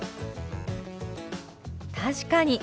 確かに！